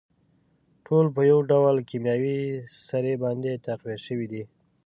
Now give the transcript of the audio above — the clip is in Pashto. ټول په يوه ډول کيمياوي سرې باندې تقويه شوي دي.